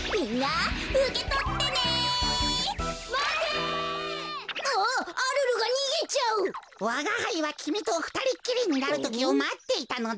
わがはいはきみとふたりっきりになるときをまっていたのだ。